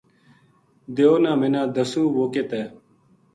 دیو نا منا دسوں وہ کِت ہے